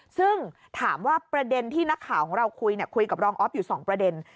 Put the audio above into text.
ซึ่งถามว่าประเด็นที่นักข่าวของเราคุยคุยกับรองออฟอยู่๒ประเด็น